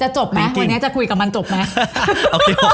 จะจบมั้ยวันนี้จะคุยกับมันจบมั้ย